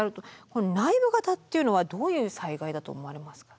内部型っていうのはどういう災害だと思われますか？